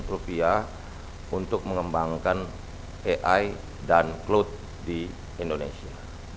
rp seratus untuk mengembangkan ai dan cloud di indonesia